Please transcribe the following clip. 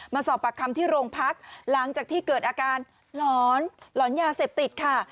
มาสอบปากคำที่โรงพักหลังจากที่เกิดอาการหลอนหลอนยาเสพติดค่ะ